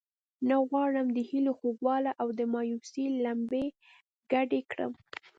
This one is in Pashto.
نه غواړم د هیلو خوږوالی او د مایوسۍ لمبې ګډې کړم.